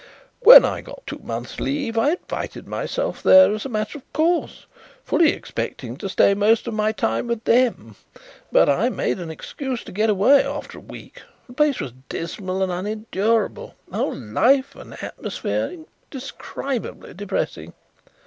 When I got two months' leave I invited myself there as a matter of course, fully expecting to stay most of my time with them, but I made an excuse to get away after a week. The place was dismal and unendurable, the whole life and atmosphere indescribably depressing."